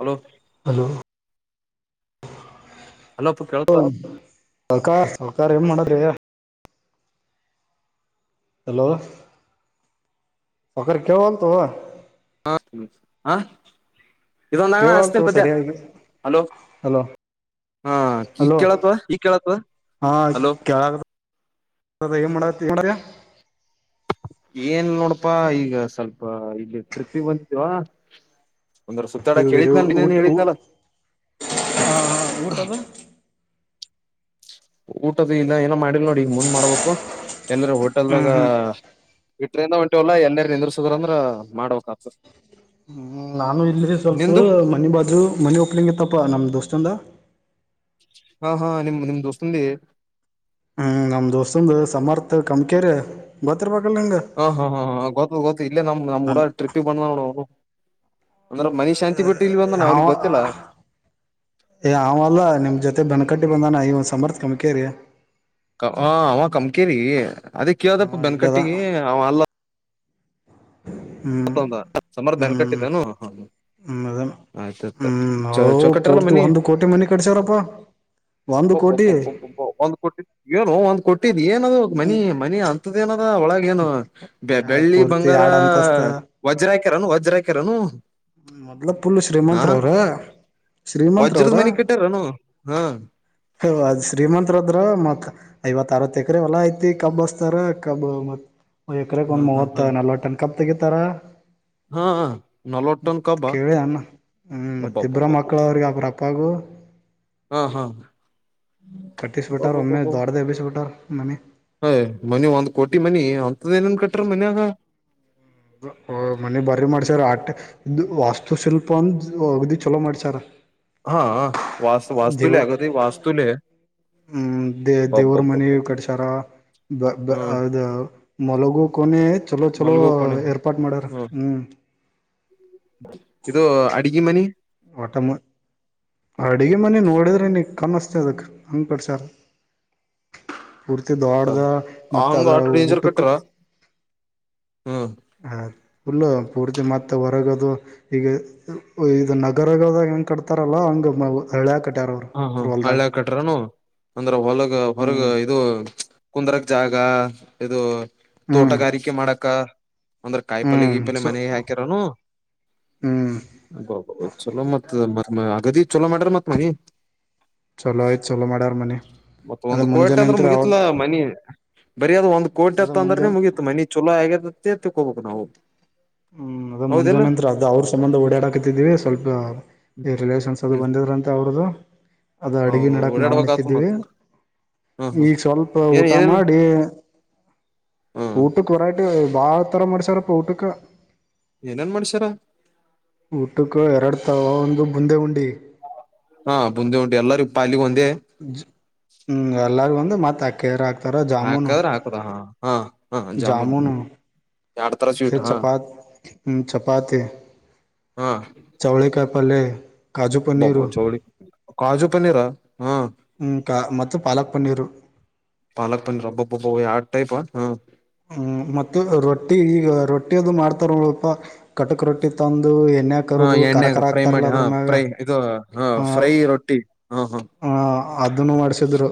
hello hello ಹಲೋಪ್ಪ ಹ ಕೇಳ್ತದ ಸಕಾರ ಸಹಕಾರ ಏನ್ ಮಾಡದ್ರ ಹಲೋ ವಕರಿ ಕೇಳಒಲತ್ತೋ ಹಾ ಆ ಇದೊಂದ ಅಂಗಣ ಹಸ್ತೇನ ಕೇಳವಲ್ತು ಪದ್ಯ ಸರಿಯಾಗಿ ಹಲೋ ಹಲೋ ಹಾ ಈ ಹಲೋ ಕೇಳತ್ವಾ ಈ ಕೇಳತ್ವಾ ಹಲೋ ಅ ಮಾಡತ್ತಿ ಏನ್ ನೋಡಪಾ ಈಗ ಸ್ವಲ್ಪ ಇಲ್ಲಿ ಟ್ರಿಪ್ಪಿಗೆ ಬಂದಿದ್ವಾ ಒಂದರು ಸುತ್ತಾಡಕ್ ಮಾಡ್ಯ ಹೇಳಿದನ ಊಟ ನೀನ್ನೇನ್ ಹೇಳಿದಲ್ಲ ಊಟದ ಊಟದ ಇಲ್ಲ ಏನೋ ಮಾಡಲ್ ನೋಡ ಈಗ ಮುಂದ್ ಮಾಡ್ಬೇಕು ಎಲ್ಲರೂ ಹ್ಮ್ ಹೋಟೆಲ್ದಾಗ ಹ್ಮ್ ಟ್ರೈನಗ ಹೊಂಟಿವಲ್ಲ ಎಲ್ಲರ್ ನಿಂದ್ರ ಸಿದರ ಅಂದ್ರ ಮಾಡಬಕ್ ಆತ ಹ್ಮ ನಾನು ಇಲ್ಲಿ ಸ್ವಲ್ಪ ಮನಿ ಬಾಜು ಮನಿ ಓಪಲಿಂಗ್ ಇತ್ತಪ್ಪಾ ನಮ್ ದೋಸ್ತ ಅಂದ ಹ ಹಾ ನಿಮ್ಮ್ ನಿಮ್ ದೋಸ್ತದ ಲೇ ಹ್ಮ್ ನಮ್ ದೋಸ್ತಂಗ ಸಮರ್ಥ ಕಮಕ್ಯರಿ ಗೊತ್ತ ಇರಬೇಕ ಹಾ ಹಾ ಹಾ ಹಾ ಗೊತ್ತು ಗೊತ್ತು ಇಲ್ಲೇ ನಮ್ ನಮ್ಮ್ಊಡಳ ಟ್ರಿಪಿ ಬಂದ್ ನೋ ಬಂದಾನ ಹ ಅವ್ರಿಗೆ ಗೊತ್ತಿಲ್ಲ ಏ ಅವಲ್ಲಾ ನಿಮ್ ಜೊತೆ ಬನಕಟ್ಟಿ ಬಂದಾನ ಇ ಒ ಸಮರ್ಥಕಮಕ್ಯರಿ ಅವ ಕಮ್ಕೇರಿ ಅದ ಹಾ ಕೇಳದಪ್ಪ ಇಲ್ಲದ ಬೆನ್ಕಟ್ಟಿಗೆ ಅವ ಅಲ್ಲ ಹ್ಮ್ ಮತ್ತೊ ಸಮಾರ ಹ್ಮ್ ಬೆೆನಕಟ್ಟಿದ್ದನು ಹ ಆಯ್ತಾಯಯ್ತ ಹ ಪೂರ್ತಿ ಒಂದು್ ಕೋಟಿ ಮನೆ ಕಡಸವ್ರಪ್ಪಾ ಒಂದ್ ಕೋಟಿ ಏನು ಒಂದ್ ಕೋಟಿ ಏನದು ಮನಿ ಮನಿ ಅಂತದ ಏನದ ಒಳಗ ಏನು ಬೆ ಆ ಬೆಳ್ಳಿ ಪೂರ್ತಿ ಬಂಗಾರ ಎರಡ್ ಅಂತಸ್ತ ವಜ್ರಕರನು ವಜ್ರಕನು ಮೊದ್ಲ ಪುಲ್ ಶ್ರೀಮಂತ್ರ ಅವ್ರ ಶ್ರೀಮಂತ್ರ ವಜ್ರದ ಅವ್ರ ಮನಿ ಕಟ್ಟ್ಯಾರನು ಹಾ ಹ ಅದ್ ಶ್ರೀಮಂತ್ರದ್ರ ಮತ್ ಐವತ್ತು ಅರವತ್ತು ಎಕರೆ ಹೊಲ ಐತಿ ಕಬ್ ಹಸ್ತಾರ ಕಬ್ ಮ ಎಕರೆ ಹಾ ಒಂದು ಹಾ ಮೂವತ್ತ ನಲ್ವತ್ತು ಟನ್ ಕಬ್ ತೆಗೆ ತಾರ ಹಾ ನಲವರ್ಟನ್ ಕೇಳಿ ಅನ್ನ ಹ್ಮ್ ಕಬಬಬ ಮತ್ತ ಇಬ್ರ ಮಕ್ಳ ಅವ್ರಿಗೆ ಒಬ್ರ ಅಪ್ಪಾಗು ಹಾ ಕಟ್ಟಿಸ್ಬಿಟ್ಟಾರ ಒಮ್ಮೆ ಹಾಬಬ ದೊಡ್ಡದ ಎಬ್ಬಿಸ್ಬಿಟ್ಟಾರ ಮನಿ ಹಯ್ ಮನಿ ಒಂದ್ ಕೋಟಿ ಮನಿ ಅಂತದ್ ಏನನ್ ಕಟ್ರ ಮನೆಗ ಮನೆ ಬಾರಿ ಮಾಡ್ಸಾರ ಆಟ ವಾಸ್ತುಶಿಲ್ಪ ಅಂದ ಒಗ್ದಿ ಚಲೋ ಮಾಡ್ಸಾರ ಹಾ ವಸ್ ವಾಸ್ತುಲೆ ಅಗದು ವಾಸ್ತುಲೆ ಹ್ಮ್ ದೇ ದೇವರ ಮನಿ ಬಬ್ಬಬ್ಬಬ್ಬ ಕಡ್ಸಾರ ಬ ಹ್ಮ್ ಅದ ಮಲಗು ಕೊನೆ ಚಲೋ ಚಲೋ ಮಲ್ಗೋಪಣೆ ಏರ್ಪಾಟ್ ಮಾಡಾರ ಹ್ಮ್ ಇದು ಅಡಗಿ ಮನಿ ಒಟಮ್ಮ ಅಡ್ಗೆ ಮನೆ ನೋಡಿದ್ರಿ ನೀ ಕಮ್ಮಸ್ತ ಅದಕ್ ಅಂಗಪಡ್ಸಾರ ಹ ಕುರ್ತ ದೋಡ್ದ ಮತ್ತ ಅದ್ರ ಡೇಂಜರ್ ಊಟಕ್ಕೆ ಕಟ್ಟ್ರ ಹ್ಮ್ ಹ ಫುಲ್ಲ ಪೂರ್ತಿ ಮತ್ತೆ ಹೊರಗದು ಈಗ ಇದು ನಗರಗದಾಗ ಕಟ್ತಾರಲ್ಲ ಹಂಗ ಹಳೆ ಕಟ್ಟ ಹ ಹಾ ಹಳ್ಯ ಕಟ್ರನು ಅಂದ್ರ ಹೊಲಗ ಹೊರಗ ಹ್ಮ್ ಇದು ಕುಂದ್ರಕ್ ಜಾಗ ಇದು ಹ್ಮ್ ತೋಟಗಾರಿಕೆ ಮಾಡಕ ಅಂದ್ರ ಕಾಯಿಪಲ್ಯ ಹ್ಮ್ ಗೀಪಲ್ ಸೊ ಮನೆಗೆ ಹಾಕ್ಯರನು ಹ್ಮ್ ಬಬ ಚಲೋ ಮತ್ ಮತ್ ಅಗದಿ ಚಲೋ ಮಾಡ್ರ ಮತ್ತ್ ಮಿ ಚಲೋ ಆಯ್ತ್ ಚಲೋ ಮಾಡಡಾರ ಮನೆ ಮತ್ತತ್ ಒಂದ್ ಕೋಟೆ ಅಂದ್ರೆ ಮುಗಿತ್ಲಾ ಮನ ಬರಿ ಅದು್ ಒಂದ್ೋಟಿ ಅದ ಅತ್ತ ಅಂದ್ರನೆ ಮುಂಜಾನೆ ಮುಗಿಯತ ಮನಿ ಚೊಲೋ ಆಗೇತ್ತತ್ತ ತಕ್ಕೋಬಬೇಕು ನಾವು ಹ್ಮ್ ಅದ ಹೌದಿಲ್ಲ ಮುಂಜಾನಂ ಅದ ಅವ್ರ ಸಂಬಂಧ ಓಡಾಡಾಕತಿದೀವಿ ಸ್ವಲ್ಪ ಈ ರಿಲೇಷನ್ಸ್ ಅದು ಹ್ಮ್ ಬಂದಿದ್ರಂತ ಅವ್ರದದು ಅದು ಅಡ್ಗೆ ಹೌದೌದು ನಡಕ್ ನಾವು ಓಡಾಡ್ಬೇಕತ್ ಅನ್ನಿಸ್ತಿದೀವಿ ಮತ್ ಹ ಹ ಈಗ ಸ್ವಲ್ಪ ಏನ್ ಊಟ ಏನೇನು ಮಾಡಿ ಹ ಊಟಕ್ಕೆ ಹೊರೈ ಬಾಳತರ ಮಾಡ್ಸಾರಪ್ಪ ಊಟಕ ಏನೇನ್ ಮಾಡ್ಸ್ಯಾರ ಊಟಕ್ಕ ಎರಡ್ ತಾವ ಒಂದು ಬಂದೆ ಉಂಡಿ ಹಾ ಬಂದಿ ಉಂಟು ಎಲ್ಲಾರೂ ಪಲ್ಲಿಗೆ ಒಂದೇ ಹ್ಮ್ ಎಲ್ಲರಿಗ ಒಂದು ಮತ್ ಅಕ್ಕಾರಕ್ ರ ಜಾಮುನು ಹಾಕದ್ರ ಹಾಕದ ಹಾ ಹಾ ಹಾ ಜಾಮೂನ್ ಜಾಮುನು ಎರಡ್ ತರ ತ್ತ ಸ್ವೀಟ್ ಹಾ ಚಪಾ ಚಪಾತಿ ಹಾ ಚೌಳೆ ಕಾಯಿ ಪಲ್ಯ ಕಾಜು ಬಬ ಪನ್ನೀರು ಚೌಳ ಕಾಜು ಪನ್ನೀರ ಹಾ ಕ ಮತ್ತು ಪಾಲಕ್ ಪನ್ನೀರು ಪಾಲಕಪ ರಬ್ಬ ಬಬ್ಬ ಆ ಪ ಅ ಹ ಹ್ಮ್ ಮತ್ತು ರೊಟ್ಟಿ ಈಗ ರೊಟ್ಟಿ ಮಾಡ್ತಾರಪ ಕಟಕ್ ರೊಟ್ಟಿ ತಂದು ದು ಎಣ್ಣೆ ಹಾ ಕರದು ಎಣ್ಣೆಗ ಕರಕರ ಫ್ರೈ ಆಗ್ತಾರಲ್ಲ ಮಾಡಿ ಹಾ ಅದ್ರ ಮ್ಯಾಗ ಫ್ರೈ ಇದು ಹಾ ಹ ಫ್ರೈ ರೊಟ್ಟಿ ಹಾ ಹಾ ಅದನ್ನು ಮಾಡಿಸ್ರು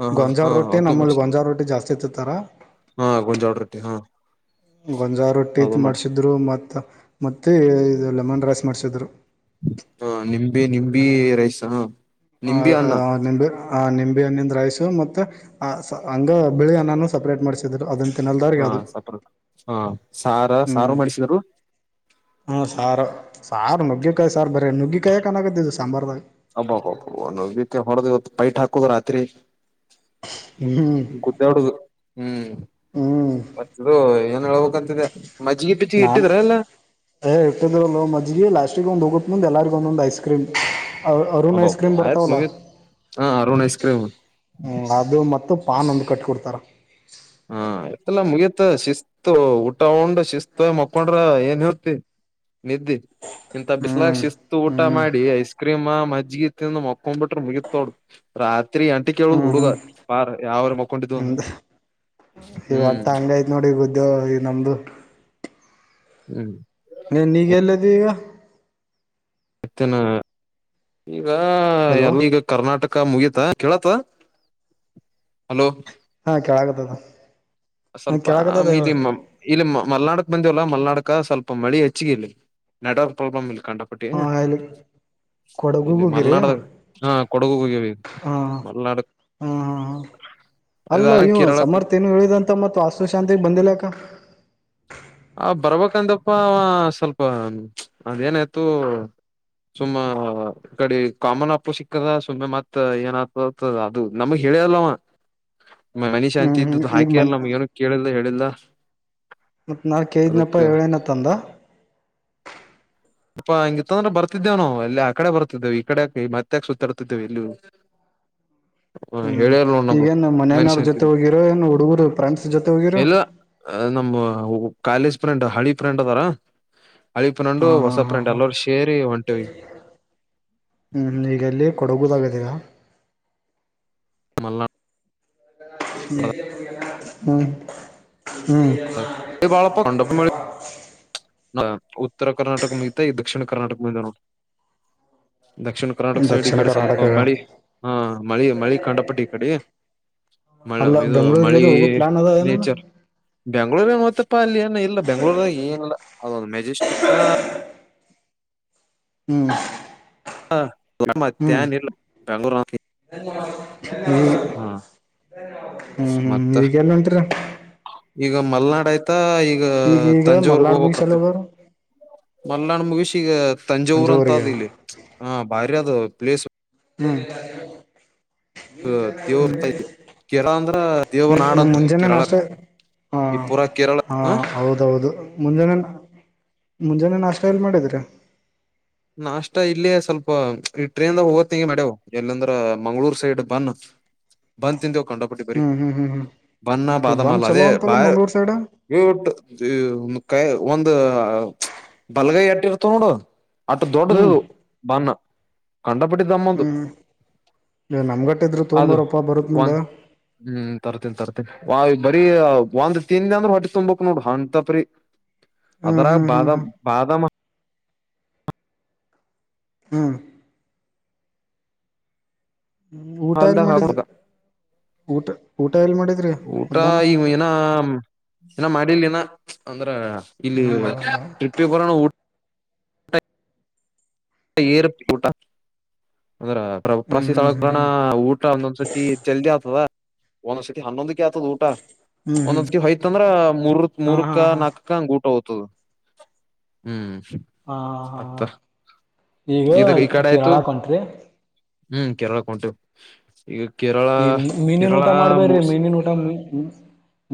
ಹಾ ಹಾ ಗೊಂಜಾವ ಹಾ ರೊಟ್ಟಿ ಅದ್ನು ನಮ್ಮಲ್ಲಿ ಮಾಡ್ಸಿ ಗೊಂಜಾವ ರೊಟ್ಟಿ ಜಾಸ್ತಿ ಇತ್ತತ್ತರ ಹಾ ಗಂಜಾಳ ರಟ್ಟಿ ಹಾ ಗೊಂಜಾ ರೊಟ್ಟಿ ಅದು ಮಾಡ್ಸಿ ಮಾಡ್ಸಿದ್ರು ಮತ್ತ ಮತ್ತೆ ಇ ಲೆಮನ್ ರೈಸ್ ಮಾಡ್ಸಿದ್ರು ಹಾ ನಿಂಬಿ ನಿಂಬಿ ರೈಸ್ ಹ ಹ ನಿ [unintelligible] ಆ ನಿಂಬಿ ಹಣ್ಣಿಂದ ರೈಸ್ ಮತ್ತೆ ಹಂಗ ಬಿಳಿ ಅನ್ನನು ಸಪ್ರೇಟ್ ಮಾಡ್ಸಿದ್ರು ಅದ ಹಾ ಸಪ ಹಾ ಸಾರ ಸಾರು ಹ್ಮ್ ಮಾಡಿಸಿದರು ಹ್ಮ ಸಾರು ಸಾರು ನುಗ್ಗೆಕಾಯಿ ಸಾರ ಬರೆ ನುಗ್ಗೆ ಕಾಯ ಕಾಣಾಗತ್ತೆ ಇದು ಸಾಂಬಾರದಾಗ ಹಬ್ಬಬ ನುಗ್ಗಿಕಾಯ ಹೊಡದ ಇವತ್ತ ಪೈಟ್ ಹಾಕುದು ರಾತ್ರಿ ಹ್ಮ್ ಗದ್ದಾಡದು ಹ್ಮ್ ಹ್ಮ್ ಮತ್ತ ಇದು ಏನೂ ಹೇಳಬೇಕ ಹಂತ ಹಾ ಇಟ್ಟಿದ್ರಲೊ ಮಜ್ಜಿಗೆ ಲಾಸ್ಟಿಗಿ ಒಂದ ಮುಂದ ಎಲ್ಲರ್ಗಿ ಒದೊಂದು ಐಸ್ ಕ್ರೀಮ ಅರುಣ್ ಐಸ್ ಅಬ್ಬಬ್ಬ ಕ್ರೀಮ್ ಆಯ್ತು ಬರ್ತಾವಲ್ಲ ಮುಗಿತ್ ಹಾ ಅರುಣ್ ಐಸ್ ಕ್ರೀಮ್ ಅದು ಪಾನ್ ಒಂದು ಕಟ್ ಕೋಡ್ತಾರ ಹಾ ಆತ್ಲಾ ಮುಗಿತ ಶಿಸ್ತು ಊಟ ಉಂಡ್ ಶಿಸ್ತು ಹೋಗಿ ಮಕೊಂಡ್ರ ಏನ್ ಹೇಳತಿ ನಿದ್ದಿ ಇಂತ ಬಿಸ್ಲಾಕ್ ಹ್ಮ್ ಶಿಸ್ತು ಊಟ ಹ್ಮ್ ಮಾಡಿ ಐಸ್ ಕ್ರೀಮ್ ಮತ್ತ ಜಗಿಂದ ಮಕೊಂಡ್ಬಿಟ್ರೆ ಮುಗತೋಡ ರಾತ್ರಿ ತ್ರಿ ಎಂಟಿ ಕೇಳುದ್ ಹ್ಮ್ ಹುಡುಗ ಹ್ಮ್ ಬಾರ್ ಯಾವಾರ ಮಕ್ಕೊಂಡಿದ್ದುವ ಅಂದ್ರ ಹ್ಮ ಈ ಹ್ಮ್ ಹೊಟ್ಟ ಹಂಗ್ಲ ಯತ್ ನೋಡಿ ಗುದ್ದ ಈ ನಮ್ದು ಹ್ಮ್ ನೀ ನೀಗ ಎಲ್ಲ್ದ ಈಗ ಮತ್ತನಾ ಈಗ ಹಲೋ ಎಲ್ಲಿಗ ಕರ್ನಾಟಕ ಅಕ್ಕ ಮುಗಿತ ಕೇಳತ್ತ ಹಲೋ ಹಾ ಕೆೇಳಾಗತ್ತದ ಸ್ವಲ್ಪ್ ಇಲ್ಲಿ ಇಲ್ಲಿ ಮಲ್ನಾಡಕ್ ಬಂದಿವಲ್ಲ ಮಲ್ನಾಡಕ್ ಸ್ವಲ್ಪ ಮಳಿ ಹೆಚ್ಚಿಗೆ ಇಲ್ಲಿ ನೆಟ್ವರ್ಕ್ ಪ್ರಾಬ್ಲಮ್ ಇಲ್ ಕಂಡಪಟ್ಟಿ ಹಾ ಇಲ್ಲಿ ಕೊಡಗುಗ ಇಲ್ಲಿ ಹೋಗಿರಿ ಹಾ ಮಲ್ನಾಡದ ಹಾ ಕೊಡಗು ಹೋಗವಿಗ ಮಲ್ನಾಡ ಹಾ ಹಾ ಹಾ ಅಲ್ಲ ಇದಾಗ ಇವ ಕೇರಳಕ್ ಸಮರ್ಥ್ಯ ನು ಹೇಳುದಂತ ಮತ್ತು ವಾಸ್ತು ಶಾಂತಿಗ್ ಬಂದಿಲ್ಲಕ್ಕ ಅವ ಬರ್ಬೇಕಂದಪ್ಪ ಸ್ವಲ್ಪ ಅದೇನಾಯ್ತು ಸುಮ್ಮ ಈ ಕಡೆ ಕಾಮನ್ ಅಪ್ಪು ಸಿಕ್ಕದ ಸುಮ್ಮನೆ ಮತ್ ಏನತ ಅದು ನಮ್ ಹೇಳೆ ಇಲ್ಲವಾ ಮನಿ ಹ್ಮ್ ಶಾಂತಿ ಹ್ಮ್ ಇದ್ದುದ ಈಗ ಹಾಕೆ ಮನ್ ಇಲ್ಲ ನಮ್ಗ ಏನ ಕೇಳಿಲ್ಲ ಹೇಳಿಲ್ಲ ಮತ್ ನಾ ಕೇಳಿದನಪ್ಪ ಅದಕ್ ಏಳಏನತ್ತ ಅಂದ ಅಪ್ಪಾ ಹಂಗಿತ್ತಂದ್ರೆ ಬರ್ತಿದ್ದೇವ ನಾ ಅಲ್ಲ ಆ ಕಡೆ ಬರ್ತಿದ್ದೇವು ಈ ಕಡೆಕ ಮತ್ತಾಕ್ ಸುತ್ತಾಡ್ತಿದ್ದೇವೆ ಎಲ್ಲಿ ಹ್ಮ್ ನಮಗ್ ಈಗೇಏನ್ ಮನೆಯನವ್ರ ಮನುಷ್ಯ ಅಂತಿದ್ ಜೊತೆ ಹೋಗಿರೋ ಏನ್ ಹುಡುಗೂರು ಪ್ರೇಂಡ್ಸ ಜೊತೆ ಹೋಗಿರೋ ಅ ನಮ್ಮ ಕಾಲೇಜ್ ಫ್ರಂಡ್ ಹಳಿ ಪ್ರಂಡ್ ಅದಾರ ಹಳಿ ಫ್ರೆಂಡು ಹಾ ಹೊಸ ಹಾ ಹಾ ಫ್ರೆಂಡ್ ಎಲ್ಲರೂ ಸೇರಿ ಹೊಂಟೇವಿ ಹ್ಮ್ ಈಗೆಲ್ಲಿ ಕೊಡಗುದಾಗತ್ತೆ [unintelligible] ಅಲ್ಲ ಹೂ ಬಾಳಪ [unintelligible] ಹ ಉತ್ತರ ಕರ್ನಾಟಕ ಮುಗಿತ್ತ ಈಗ ದಕ್ಷಿಣ ಕರ್ನಾಟಕ ಬಂದಿವ ನೋಡ ದಕ್ಷಿಣ ಕರ್ನಾಟಕ ಸೈಡ್ ಈ ದಕ್ಷಿಣ ಕಡೆ ಕರ್ನಾಟಕ ಸ್ವಲ್ಪ ಮಳಿ ಹಾ ಮಳಿ ಮಳಿ ಕಂಡಪಟ್ಟಿ ಈ ಕಡೆ ಮಳಿ ಅಲ್ಲ ಇದು ಮಳಿ ಬೆಂಗಳೂರಿಗದು ಹೋಗೋ ಪ್ಲಾನ್ ಅದ ಏನೇನು ನೇಚರ್ ಬೆಂಗ್ಳೂರ್ ಮತ್ತಪ್ಪ ಅಲ್ಲಿ ಅ ಇಲ್ಲ ಬೆಂಗ್ಳೂರ್ ಏನಿಲ್ಲ ಅದೊಂದು ಮೆಜೆಸ್ಟಿಕ್ ಹ್ಮ್ ಹಾ ಹ್ಮ್ ಮತ್ತೇನಿಲ್ಲ ಬೆಂಗಳೂರು [unintelligible] ಹೂ ಹೂ ಈಗಇಲ್ಲಿ ಹೊಂಟ್ಟಿರಿ ಈಗ ಮಲ್ನಾಡ್ ಆಯ್ತಾ ಈಗ ಈಗ ತಂಜಾವರ್ಗ್ ಮಲ್ನಾಡ್ ಮುಗಿಸಲ್ ಹೋಗ್ಬೇಕಕ್ತ್ ಹೋಗೋರು ಮಲ್ನಾಾಣ ಮುಗಿಸಿಿ ಈಗ ತಂಜಾವೂರ್ ಅಂತ ಸಂಜೆವರೆಗೆ ಅದ್ ಇಲ್ಲಿ ಹ ಬಾರಿ ಅದು ಪ್ಲೇಸ್ ಹೂ ದೇವ್ರ ಕೇರಳ ಅಂದ್ರ ದೇವ್ರ ನಾಡ್ ಹೂ ಅಂತ ಮುಂಜಾನೆ ಕೇರಳ ನಾಷ್ಟ ಹಾ ಈ ಪೂರಾ ಕೇರಳ ಹಾ ಹ ಹೌದೌದು ಮುಂಜಾನೇ ಮುಂಜಾನೆ ನಾಷ್ಟ ಎಲ್ಲಿ ಮಾಡಿದ್ರಿ ನಾಷ್ಟ ಇಲ್ಲೇ ಸ್ವಲ್ಪ ಈ ಟ್ರೈನ್ಾಗ ಹೋಗತಗೆ ಮಡ್ಯವು್ ಎಲ್ಲಂದ್ರ ಮಂಗ್ಗಳೂರ್ ಸೈಡ್ ಬನ್ ಬಂದ್ ತಿಂದೆವು ಕೊಂಡಬಿಟ್ಟಿ ಬರಿ ಹ್ಮ್ ಹ್ಮ್ ಹ್ಮ್ ಬಣ್ಣ ಹ್ಮ್ ಬಂದ್ ಬಾದಾಮಲ್ಲ ಚಲೋ ಅದೇ ಬ ಅಂತಲ್ಲ ಮಂಗ್ಳೂರ್ ಸೈಡ್ ಕಾಯಿ ಒಂದ ಬಲಗಾಯಿ ಅಟ್ಟಿ ಇರ್ತ ನೋಡು ಅಟ್ಟು ಹ್ಮ್ ದೊಡ್ಡದದು ಬಾನ ಕಂಡಪಟ್ಟಿ ದಮ್ಮದು ಹ್ಮ್ ಇ ನಮ್ಗಟ್ಟಿದ್ರು ಅದು ತೊಂಬಾರಪ್ಪ ಬರುತ್ ಮುಂದ ಒಂದ ಹೂ ತರ್ತೇನ್ ತರ್ತ ಬರಿೀ ಒಂದ್ ತಿಿಂದಿ ಅಂದ್ರ ಹೊಟ್ಟ ತೊಬಕ್ ನೋಡ ಹಂತಪರಿೀ ಹ್ಮ್ ಅದರಾ ಹ್ಮ್ ಹ್ಮ್ ಬಾದಾಮ್ ಬಾದಾಮ್ ಹೂ ಊಟ ಎಲ್ ಮಾಡಿದ್ದ ಹಾಲ್ದಾಗ ಊಟ ಮಧ್ಯಾಹ್ನ ಈ ಏನ ಏನ ಮಾಡಿಲ್ಲ ನ ಅಂದ್ರ ಇಲ್ಲಿ ಏನ ಮಾಡಲ್ಲ ಿಪ್ಪಿರ ಏರಪ್ಪಿ ಊಟ ಅಂದ್ರ ಹ್ಮ್ ಹ್ಮ್ ಪ್ರಸೀಳಕ್ ಹ್ಮ್ ಬ್ರಣ ಹ್ಮ್ ಊಟ ಒಂದೊಂದ್ ಸತಿ ಜಲ್ದಿ ಆಗ್ತದ ಒಂದ್ ಸತಿ ಹನ್ನೊಂದ ಆತದ ಊಟ ಹ್ಮ್ ಹ್ಮ್ ಒಂದೊಂದ್ಿ ಹಯ್ತ ಅಂದ್ರ ಮೂರ ಹಾ ಹಾ ಮೂರಕ್ಕ ಹಾ ನಾಕಕ್ಕ ಹಂಗ ಊಟ ಹ್ತ ಹೂ ಹಾ ಹಾ ಈಗ ಕೇರಳಕಂಟ್ರರಿ ಹೂ ಕೇರಳಕೊಂಟಿವ್ ಈ ಮಿ-ಮೀನಿನ ಊಟ ಮಾಡ್ಬರ್ರಿ ಮುಗಸ್ ಮೀನಿನ ಊಟ ಹೂ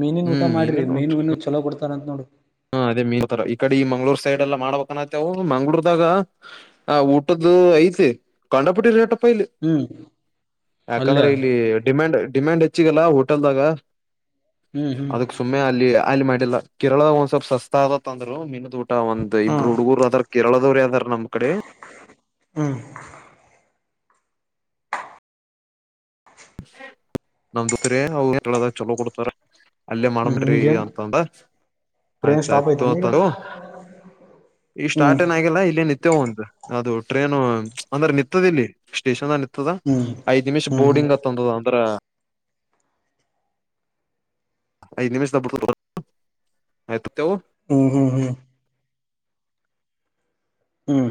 ಮೀನಿನ ಊಟ ಹ್ಮ್ ಮಾಡ್ರಿ ಮೀನು ಮೀನು ಚಲೋ ಕೊಡ್ತಾರ ಅಂತ್ ನೋಡು ಹಾ ಅದೇ ಮೀನ್ ತರ ಈ ಕಡೆ ಈ ಮಂಗಳೂರ್ ಸೈಡ್ ಎಲ್ಲ ಮಾಡಬೇಕನ್ನಾತ್ತೇವು ಮಂಗಳೂರ್ ಹಾಗ ಆ ಊಟದ್ದು ಐತಿ ಕಂಡಪುಟ್ಟಿ ರೇಟ ಹ್ಮ್ ಅಲ್ಲೇ ಯಾಕಂದ್ರೆ ಇಲ್ಲಿ ಡಿಮ್ಯಾಂಡ್ ಡಿಮ್ಯಾಂಡ್ ಗಲ್ಲ ಹೋಟೆಲ್ದಾಗ ಹ್ಮ್ ಹ್ಮ್ ಅದಕ್ ಸುಮ್ಮೇ ಅಲ್ಲಿ ಅಲ್ಲಿ ಮಾಡಿಲ್ಲ ಕೇರಳದ ಸ್ವಲ್ಪ್ ಸಸ್ತ ಆದತ್ ಅಂದ್ರು ಮಿನದ ಊಟ ಒಂದ್ ಇಬ್ರು ಹ್ಮ್ ಹುಡುಗೂರು ಅದ್ರ ಕೇರಳದವ್ರು ಅದಾರ ನಮ್ ಕಡೆ ಹೂ ಚಲೋ ಕೊಡ್ತಾರ ಅಲ್ಲೇ ಹ್ಮ್ ಮಾಡಬೇಕ್ರಿ ಈಗೇನ್ ಅಂತಂದ ಟ್ರೈನ್ ಸ್ಟಾಪ್ ಆಯ್ತಾಯಯ್ತು ಐತಾನ ಈಗ ಅಂತಾರ ಈ ಹ್ಮ್ ಸ್ಟಾರ್ಟ್ ಏನ ಆಗಿಲ್ಲ ಇಲ್ಲೇ ನಿ ನಿತ್ತವುಂತ ಅದು ಟ್ರೇನು ಚ್ ಅಂದ್ರೆ ನಿತ್ತದಿಲ್ಲಿ ಸ್ಟೇಷನ್ ನಿ ಆತದ ಹ್ಮ್ ಐದ್ ನಿಮಿಷ ಹ್ಮ್ ಹ್ಮ್ ಬೋರ್ಡಿಂಗ್ ಆತಂದದ ಅಂದ್ರ ಐದ್ ನಿಮಿಷ ಆಯ್ತುವು ಹೂ ಹೂ ಹೂ ಹ್ಮ್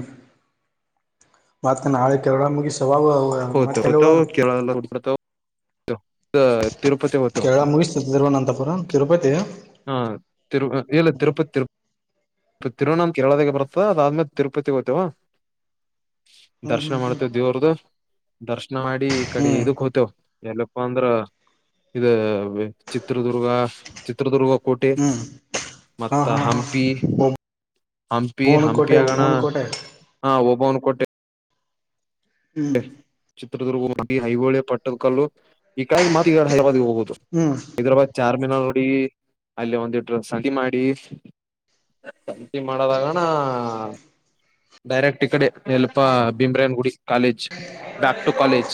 ಮತ್ಕ ನಾಳೆ ಕೇರಳ ಮುಗಿಸಿ ವಾವಅವು ಮತ್ತೆಲ್ವ ದ ಕೇರಳ ಮುಗಿಸಿ ತಿರುವನಂತಪುರ ತಿರುಪತಿ ಹಾ ತಿರು ಇಲ್ಲ ತಿರುಪತಿ ತಿರು ತಿರುವಣಾಮ ಕೇರಳದಾಗೆ ಬರುತ್ತದ ಅದಾದ್ಮೇಲೆ ತಿರುಪತಿಗೆ ಹೋಗ್ತೇವ ದರ್ಶನ ಹ್ಮ್ ಮಾಡ್ತೇವ ದೇವ್ರ್ದ ದರ್ಶನ ಮಾಡಿ ಈ ಕಡೆ ಹ್ಮ್ ಹ್ಮ್ ಇದಕ್ ಹೋಗತೇವೂ ಅಂದ್ರ ಇದ ಚಿತ್ರದುರ್ಗ ಚಿತ್ರದುರ್ಗ ಕೋಟೆ ಹ್ಮ್ ಹಾ ಮತ್ತ ಹಾ ಹಾ ಹಂಪಿ ಹಂಪಿ ಒಬ್ಬ ಹಂಪಿ ಕೋಟೆ ಆಗಣ ಒಬ್ಬನ ಕೋಟೆ ಹಾ ಓಬವ್ವನ್ ಕೋಟೆ ಹ್ಮ್ ಚಿತ್ರದುರ್ಗ ಹೋಗಿ ಐಹೊಳಿ ಪಟ್ಟದ ಕಲ್ಲು ಈ ಕಾಯ ಮತ್ತೀಕಡೆ ಹ [inaudible] ಹೋಗ ದು ಹ್ಮ್ ಹೈದರಾಬಾದ್ ಚಾರ್ ಿ [unintelligible] ನ ನೋಡಿ ಅಲ್ಲಿ ಒಂದೀಟ ಸಂತಿ ಮಾಡಿ ಮಾಡದಾಗಣ ಡೈರೆಕ್ಟ್ ಈ ಕಡೆ ಎಲ್ಪಾ ಬೀಮ್ರಾಯನ್ ಗುಡಿ ಕಾಲೇಜ್ ಬ್ಯಾಕ್ಟು ಕಾಲೇಜ್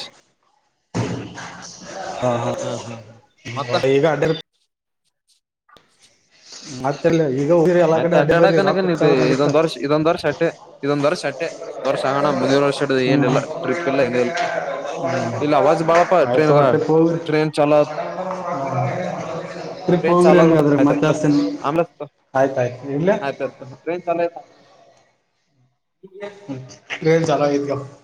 ಹಾ ಹಾ ಒ ಈಗಡ [inaudible] ಮತ್ತೆಲ್ಲ ಈಗ ಹೋಗಿರಿ ಎಲ್ಲ ಆಯ್ತ ಕಡೆ ಅಡ್ಡಿ ಬರ್ರಿ ರೊಕ್ಕ ಅಡ್ಡಾಡಕನಗನ್ ಇದು ಹೆಚ್ಚಾದ್ರ ನಡೀತ ಇದೊಂದ್ ವರ್ಷ ಇದೊಂದ್ ವರ್ಷ ಅಟ್ಟೆ ಇದೊಂದ್ ವರ್ಷ ಅಟ್ಟೆ ಒಂದ್ ವರ್ಷ ಆಗಣ ಮುಂದಿನ್ ವರ್ಷ ಹ್ಮ್ ಏನಿಲ್ಲ ಹ್ಮ್ ಟ್ರಿಪ್ ಇಲ್ಲ ಎನಿಲ್ಲ ಇಲ್ಲ ಅವಾಜ್ ಬಾಳಪ್ಪ ಆಯ್ತು ಟ್ರೇನಗ ತಗೋ ಟ್ರಿಪ್ ಹೋಗ್ರಿ ಟ್ರೇನ್ ಚಲತ್ ಟ್ರಿಪ್ ಟ್ರೇನ್ ಹೋಗ್ರಿ ಚಾಲುವಾ ಹಂಗಾದ್ರ ಮತ್ತ ಹಚ್ತೇನಿ [inaudible] ಆಮೆಲೆ ಹಸ್ತಿನ್ ತೊ ಆಯ್ತಾಯ್ತು ಇಡ್ಲಾ ಆಯ್ತು ಆ್ತು ಟ್ರೇನ್ ಚಲಯ [inaudible] ಟ್ರೇನ್ ಚಲ [inaudible]